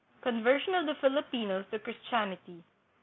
Conversion of the Filipinos to Christianity.